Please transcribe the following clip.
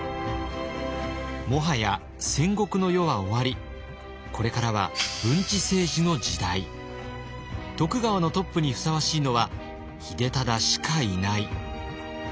もはや戦国の世は終わりこれからは徳川のトップにふさわしいのは秀忠しかいない。